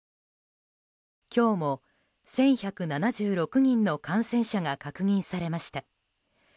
今日も１１７６人の感染者が確認されました。